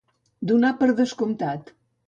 Donar per descomptat.